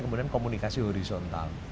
kemudian komunikasi horizontal